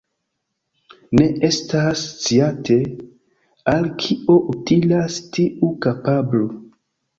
Ne estas sciate, al kio utilas tiu kapablo.